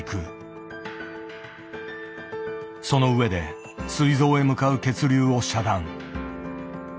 その上ですい臓へ向かう血流を遮断。